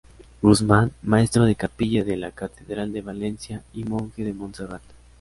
Guzmán, maestro de capilla de la catedral de Valencia y monje de Montserrat.